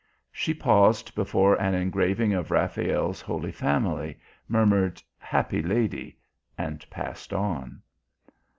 She paused before an engraving of Raphael's Holy Family, murmured "Happy Lady" and passed on.